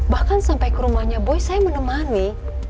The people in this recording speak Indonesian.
bahkan sampai ke rumahnya boy saya menemani